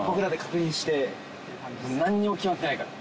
何にも決まってないから。